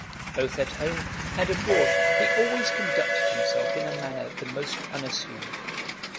Both at home and abroad he always conducted himself in a manner the most unassuming.